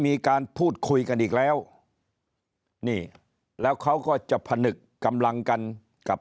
มีการพูดคุยกันอีกแล้วนี่แล้วเขาก็จะผนึกกำลังกันกับ